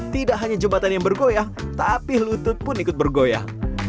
tidak hanya jembatan yang bergoyang tapi lutut pun ikut bergoyang